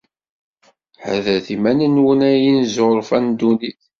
Ḥadret iman-nwen, a inezzurfa n ddunit!